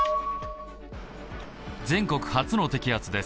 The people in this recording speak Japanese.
全国初の摘発です。